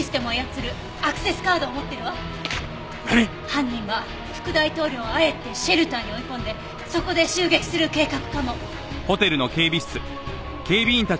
犯人は副大統領をあえてシェルターに追い込んでそこで襲撃する計画かも。